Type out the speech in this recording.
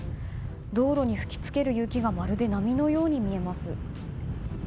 道路に吹き付ける雪がまるで波のように見えます。